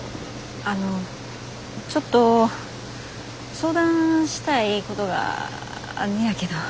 あのちょっと相談したいことがあんねやけど。